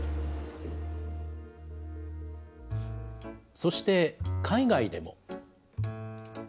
そして、海外でも。